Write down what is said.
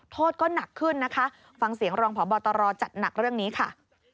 โทษก็หนักขึ้นนะคะฟังเสียงรองพบตรจัดหนักเรื่องนี้ค่ะ